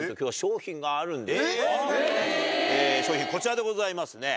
賞品こちらでございますね。